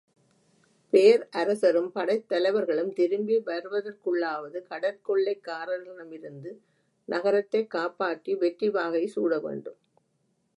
பேரரசரும் படைத்தலைவர்களும் திரும்பி வருவதற்குள்ளாவது கடற்கொள்ளைக்காரர்களிடமிருந்து நகரத்தைக் காப்பாற்றி வெற்றிவாகை சூட வேண்டும்.